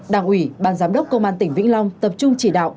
đảng ủy ban giám đốc công an tỉnh vĩnh long tập trung chỉ đạo